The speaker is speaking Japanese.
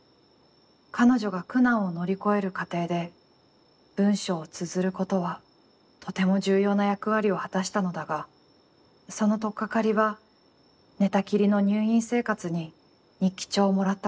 彼女が苦難を乗り越える過程で、文章を綴ることはとても重要な役割を果たしたのだが、そのとっかかりは、寝たきりの入院生活に日記帳をもらったことだった。